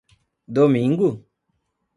Domingo?